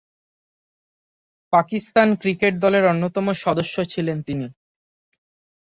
Pakistan cricket দলের অন্যতম সদস্য ছিলেন তিনি।